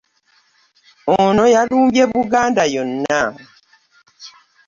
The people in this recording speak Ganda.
Ono yalumbye Buganda yonna.